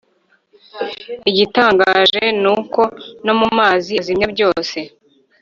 Igitangaje ni uko no mu mazi azimya byose,